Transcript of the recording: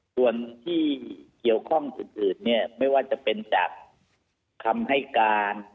ส่วนที่เกี่ยวข้องอื่นเนี่ยไม่ว่าจะเป็นจากคำให้การ